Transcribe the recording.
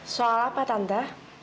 soal apa tante